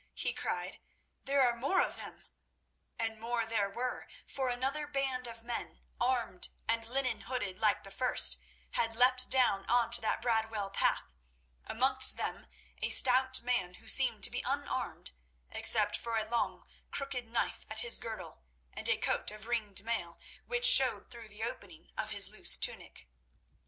he cried, "there are more of them!" And more there were, for another band of men armed and linen hooded like the first, had leapt down on to that Bradwell path, amongst them a stout man, who seemed to be unarmed, except for a long, crooked knife at his girdle and a coat of ringed mail, which showed through the opening of his loose tunic.